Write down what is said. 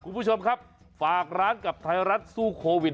คุณผู้ชมครับฝากร้านกับไทยรัฐสู้โควิด